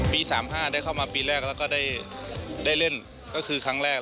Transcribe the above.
๓๕ได้เข้ามาปีแรกแล้วก็ได้เล่นก็คือครั้งแรก